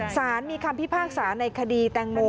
สารมีคำพิพากษาในคดีแตงโม